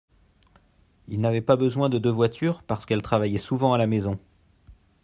Ils n'avaient pas besoin de deux voitures parce qu'elle travaillait souvent à la maison.